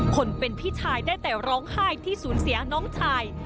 คนเป็นพี่ชายได้แต่ร้องไห้ที่สูญเสียน้องชาย